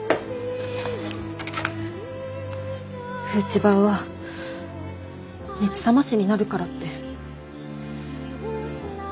フーチバーは熱冷ましになるからって。